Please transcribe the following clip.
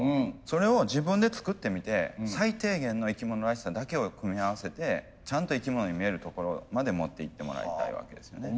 それを自分で作ってみて最低限の生き物らしさだけを組み合わせてちゃんと生き物に見えるところまで持っていってもらいたいわけですよね。